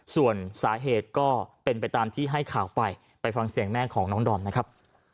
ส่วนสาเหตุก็เป็นไปตามที่ให้ข่าวไปไปฟังเสียงแม่ของน้องดอมนะครับ